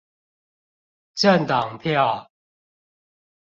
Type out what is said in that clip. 政黨票